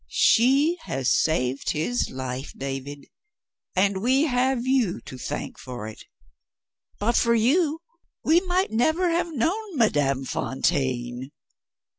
She has saved his life, David, and we have you to thank for it. But for you we might never have known Madame Fontaine."